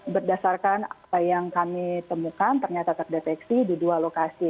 berdasarkan apa yang kami temukan ternyata terdeteksi di dua lokasi